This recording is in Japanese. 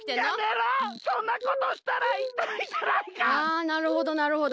あなるほどなるほど。